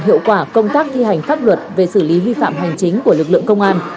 hiệu quả công tác thi hành pháp luật về xử lý vi phạm hành chính của lực lượng công an